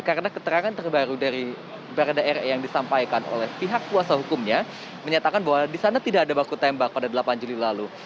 karena keterangan terbaru dari barada ere yang disampaikan oleh pihak kuasa hukumnya menyatakan bahwa di sana tidak ada baku tembak pada delapan juli lalu